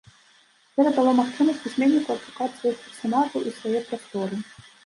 Гэта дало магчымасць пісьменніку адшукаць сваіх персанажаў і свае прасторы.